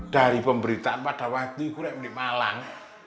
dari pemberitaan pada waktu itu ini malang